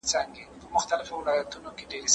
په جرګه کي د تفاهم او ډیالوګ کلتور ژوندی ساتل کيږي.